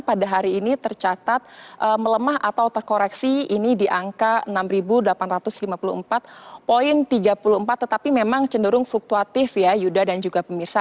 pada hari ini tercatat melemah atau terkoreksi ini di angka enam delapan ratus lima puluh empat tiga puluh empat tetapi memang cenderung fluktuatif ya yuda dan juga pemirsa